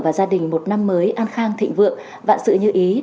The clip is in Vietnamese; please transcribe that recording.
và gia đình một năm mới an khang thịnh vượng vạn sự như ý